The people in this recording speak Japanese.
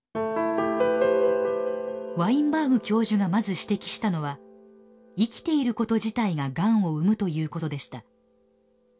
ワインバーグ教授がまず指摘したのは生きていること自体ががんを生むということでした。